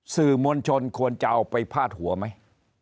สื่อมวลชนควรจะเอาไปพาดหัวไหม